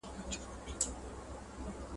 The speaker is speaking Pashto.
د ښکاري د تور په منځ کي ګرځېدلې ..